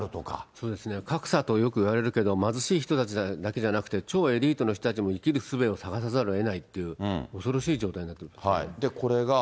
そうですね、格差とよくいわれるけれども、貧しい人たちだけじゃなくて、超エリートの人たちも生きるすべを探さざるをえないという、恐ろこれが。